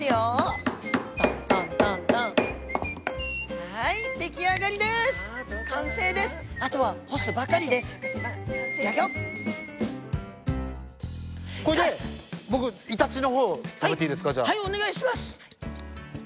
はいお願いします。